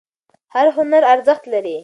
هر هنر ارزښت لري.